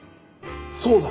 そうだ！